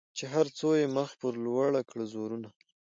چي هر څو یې مخ پر لوړه کړه زورونه